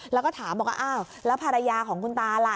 แล้วก็ถามว่าแล้วภรรยาของคุณตาล่ะ